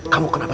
kamu kenapa saja